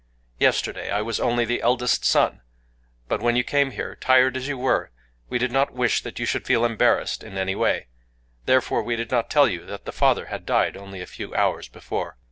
Yesterday I was only the eldest son. But when you came here, tired as you were, we did not wish that you should feel embarrassed in any way: therefore we did not tell you that father had died only a few hours before.